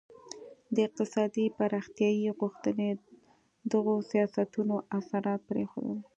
د اقتصادي پراختیايي غوښتنې دغو سیاستونو اثرات پرېښودل.